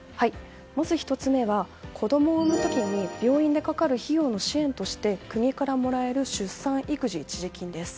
まず１つ目は子供を産む時に病院でかかる費用の支援として国からもらえる出産育児一時金です。